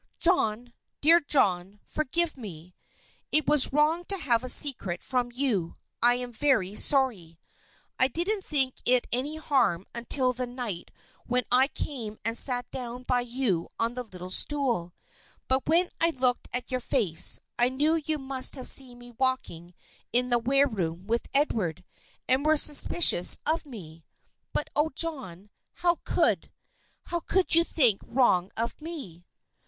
"John, dear John, forgive me! It was wrong to have a secret from you. I'm very sorry. I didn't think it any harm until the night when I came and sat down by you on the little stool. But when I looked at your face, I knew you must have seen me walking in the wareroom with Edward, and were suspicious of me. But oh, John, how could how could you think wrong of me?"